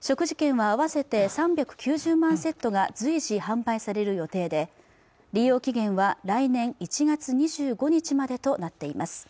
食事券は合わせて３９０万セットが随時販売される予定で利用期限は来年１月２５日までとなっています